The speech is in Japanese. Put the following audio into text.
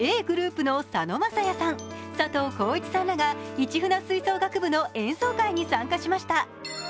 ｇｒｏｕｐの佐野晶哉さん、佐藤浩市さんらが市船吹奏楽部の演奏会に参加しました。